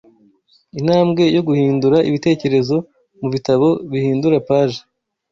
intambwe yo guhindura ibitekerezo mu bitabo bihindura page